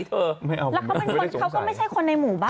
เขาก็ไม่ใช่คนในหมู่บ้าน